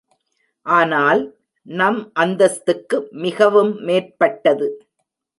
ஆனால் நம் அந்தஸ்துக்கு மிகவும் மேற்பட்டது.